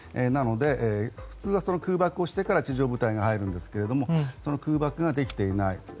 なので、普通は空爆をしてから地上部隊が入りますがその空爆ができていない。